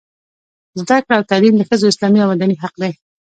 زده کړه او تعلیم د ښځو اسلامي او مدني حق دی.